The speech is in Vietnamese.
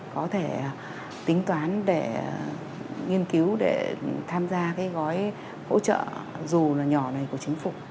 có thể tính toán để nghiên cứu để tham gia cái gói hỗ trợ dù là nhỏ này của chính phủ